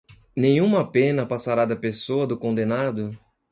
nenhuma pena passará da pessoa do condenado